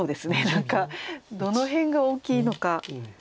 何かどの辺が大きいのか。